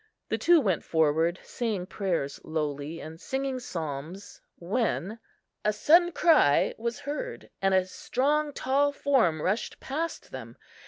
The two went forward, saying prayers lowly, and singing psalms, when a sudden cry was heard, and a strong tall form rushed past them.